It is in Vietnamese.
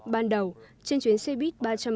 ban đầu trên chuyến xe buýt ba trăm bốn mươi